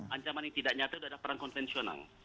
ancaman yang tidak nyata itu adalah perang konvensional